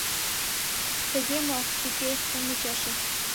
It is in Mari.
Тыге мо, уке — ом ӱчаше.